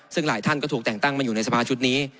ซึ่งหลายท่านก็ถูกแต่งตั้งมาอยู่ในสภาชุดนี้